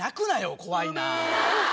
怖いな。